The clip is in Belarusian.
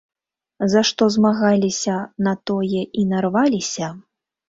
За што змагаліся, на тое і нарваліся?